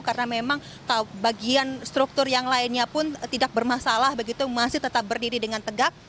karena memang bagian struktur yang lainnya pun tidak bermasalah begitu masih tetap berdiri dengan tegak